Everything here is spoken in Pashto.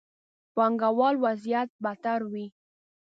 پانګه والو وضعيت بدتر وي.